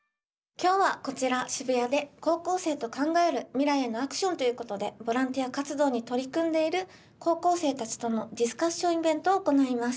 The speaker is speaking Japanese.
今日はこちら渋谷で高校生と考える未来へのアクションということでボランティア活動に取り組んでいる高校生たちとのディスカッションイベントを行います。